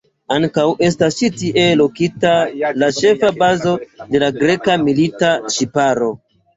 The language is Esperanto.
Ankaŭ estas ĉi tie lokita la ĉefa bazo de la greka milita ŝiparo.